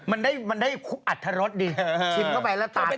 อ้าวมันได้อัธรตดีชิมเข้าไปแล้วตาโต